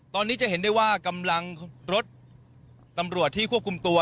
ตอนนี้จะเห็นได้ว่ากำลังรถตำรวจที่ควบคุมตัว